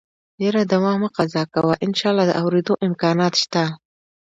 يره دوا مه قضا کوه انشاالله د اورېدو امکانات شته.